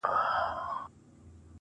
ته مُلا په دې پېړۍ قال ـ قال کي کړې بدل~